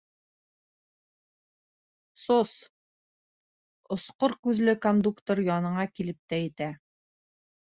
Сос, осҡор күҙле кондуктор яныңа килеп тә етә.